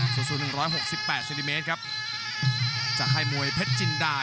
กรุงฝาพัดจินด้า